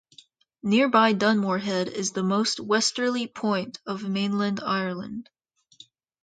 Nearby Dunmore Head is the most westerly point of mainland Ireland.